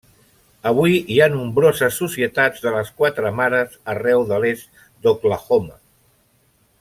Avui hi ha nombroses Societats de les Quatre Mares arreu de l'est d'Oklahoma.